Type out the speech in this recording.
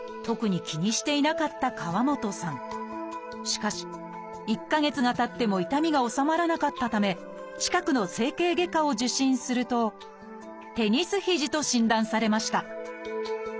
しかし１か月がたっても痛みが治まらなかったため近くの整形外科を受診すると「テニス肘」と診断されました。